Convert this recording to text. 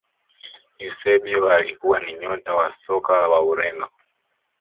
eusebio alikuwa ni nyota wa soka wa ureno